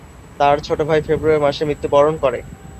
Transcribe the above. তার ছোট ভাই ফেব্রুয়ারি মাসে মৃত্যুবরণ করে।